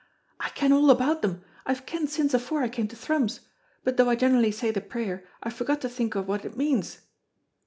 "I ken all about them, I've kent since afore I came to Thrums, but though I generally say the prayer, I've forgot to think o' what it means."